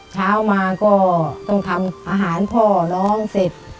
เช้ามาก็ต้องทำอาหารพ่อร้องเสร็จ